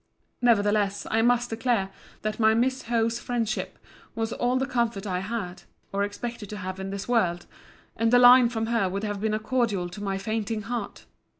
Nevertheless, I must declare, that my Miss Howe's friendship was all the comfort I had, or expected to have in this world; and a line from her would have been a cordial to my fainting heart.